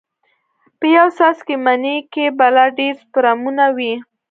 په يو څاڅکي مني کښې بلا ډېر سپرمونه وي.